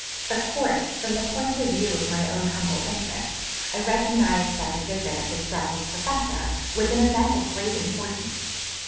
Of course from the point of view of my own humble interest I recognised that the visit of this Brussels Professor was an event of great importance.